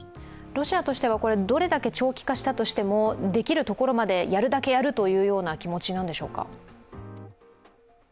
ロシアとしてはどれだけ長期化したとしても、できるところまで、やるだけやるという気持ちなんでしょうか？